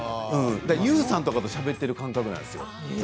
ＹＯＵさんとかとしゃべっている感覚なんですよ。